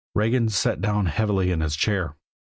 Regan sat down heavily in his chair.